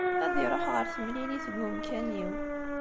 Ad iruḥ ɣer temlilit deg umkan-iw.